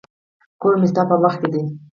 کور مي ستا په مخ کي دی.